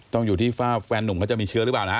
ต้องอยู่ที่ว่าแฟนหนุ่มเขาจะมีเชื้อหรือเปล่านะฮะ